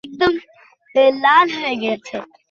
পত্রিকার স্টাফ রিপোর্টারের সঙ্গে কথা বলেছেন।